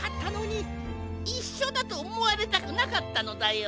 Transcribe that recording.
いっしょだとおもわれたくなかったのだよ。